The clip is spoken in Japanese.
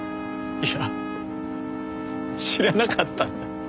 いや知らなかったんだ。